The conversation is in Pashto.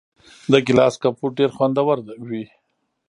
د ګیلاس کمپوټ ډیر خوندور وي.